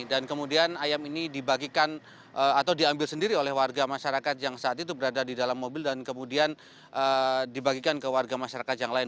dan kemudian ayam ini dibagikan atau diambil sendiri oleh warga masyarakat yang saat itu berada di dalam mobil dan kemudian dibagikan ke warga masyarakat yang lain